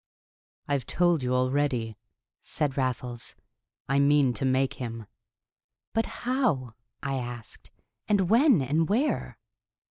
"I've told you already," said Raffles. "I mean to make him." "But how?" I asked. "And when, and where?"